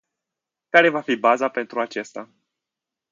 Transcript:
Care va fi baza pentru acesta?